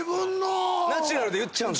ナチュラルで言っちゃうんです。